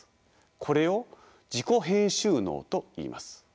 これを自己編集能といいます。